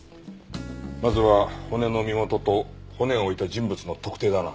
まずは骨の身元と骨を置いた人物の特定だな。